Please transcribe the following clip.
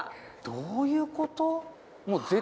どういうこと？